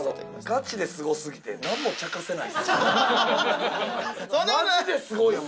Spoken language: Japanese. ガチですごすぎて、何も茶化せないです。